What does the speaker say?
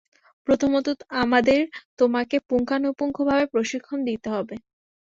প্রথমত, আমাদের তোমাকে পুঙ্খানুপুঙ্খভাবে প্রশিক্ষণ দিতে হবে।